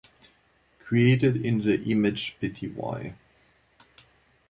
Created in the Image Pty.